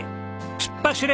突っ走れ！